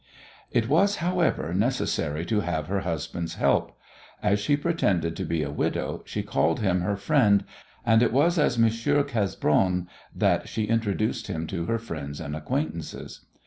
It was, however, necessary to have her husband's help. As she pretended to be a widow, she called him her friend, and it was as Monsieur Cesbron that she introduced him to her friends and acquaintances.